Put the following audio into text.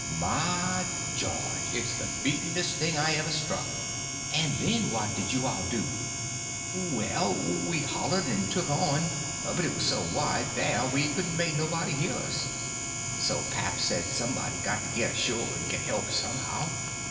"My George! It's the beatenest thing I ever struck. And then what did you all do?" "Well, we hollered and took on, but it's so wide there we couldn't make nobody hear. So pap said somebody got to get ashore and get help somehow.